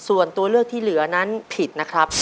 ส่วนตัวเลือกที่เหลือนั้นผิดนะครับ